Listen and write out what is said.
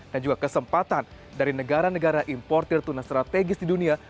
dan juga kesempatan dari negara negara importir tuna strategis di dunia